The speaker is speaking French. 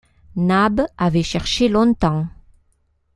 Nab avait cherché longtemps.